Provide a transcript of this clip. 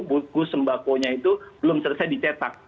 buku sembakonya itu belum selesai dicetak